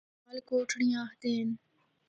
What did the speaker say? اِنّاں کو کال کوٹھڑیاں آخدے ہن۔